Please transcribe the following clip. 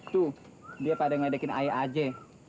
tuh dia pada ngedekin ayah aja